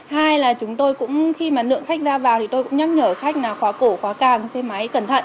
hai là chúng tôi cũng khi mà lượng khách ra vào thì tôi cũng nhắc nhở khách nào khóa cổ khóa càng xe máy cẩn thận